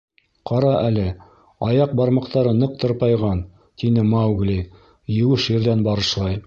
Ҡара әле, аяҡ бармаҡтары ныҡ тырпайған, — тине Маугли, еүеш ерҙән барышлай.